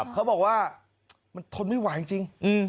เขาบอกว่ามันทนไม่ไหวจริง